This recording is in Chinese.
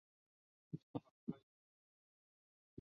谭芷翎是香港戏剧演员。